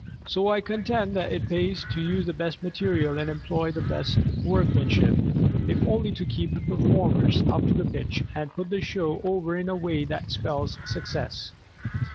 So I contend that it pays to use the best material and employ the best workmanship, if only to keep the performers up to pitch and put the show over in a way that spells success.